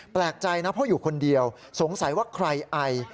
แปลกใจนะเพราะอยู่คนเดียวสงสัยว่าใครไอ